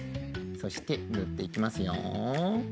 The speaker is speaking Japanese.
そしてぬっていきますよ。